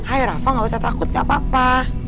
ayo rafa gak usah takut gak apa apa